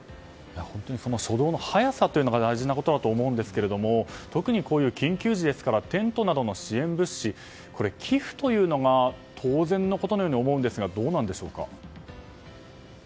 本当に初動の早さが大事なことだと思うんですが特にこういう緊急時ですからテントなどの支援物資寄付というのが当然のことのように思えるんですがどうなんでしょうか。